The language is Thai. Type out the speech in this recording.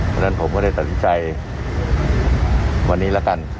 เพราะฉะนั้นผมก็ได้ทันทิศใจวันนี้ล่ะกัน